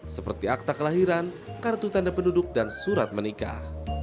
seperti akta kelahiran kartu tanda penduduk dan surat menikah